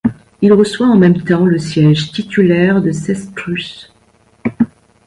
Il reçoit en même temps le siège titulaire de Cestrus.